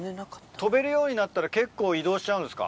飛べるようになったら結構移動しちゃうんですか？